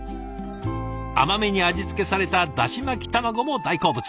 甘めに味付けされただし巻き卵も大好物。